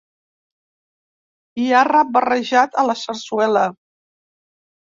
Hi ha rap barrejat a la sarsuela.